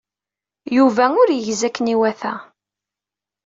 Yuba ur yegzi akken iwata.